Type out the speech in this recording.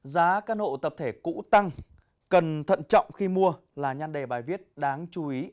giá căn hộ tập thể cũ tăng cần thận trọng khi mua là nhan đề bài viết đáng chú ý